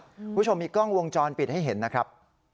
คุณผู้ชมมีกล้องวงจรปิดให้เห็นนะครับ